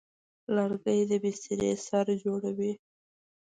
لرګی د بسترې سر جوړوي.